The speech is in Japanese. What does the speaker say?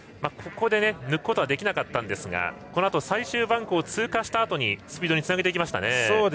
ここで抜くことはできなかったんですがこのあと最終バンク通過したあとスピードにつなげていきましたね。